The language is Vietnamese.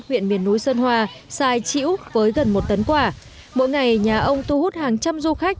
huyện miền núi sơn hòa xài chị úc với gần một tấn quả mỗi ngày nhà ông thu hút hàng trăm du khách